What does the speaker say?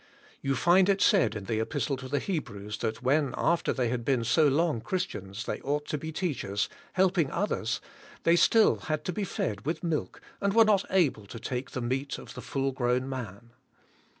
You find it said in the epistle to the Hebrews that when after they had been so long Christians they ought to be teachers, helping others, they still had to be fed with milk and were not able to take the meat of the full grown man.